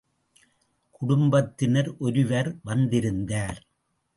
குடும்பத்தினர் ஒருவர் வந்திருந்தார்.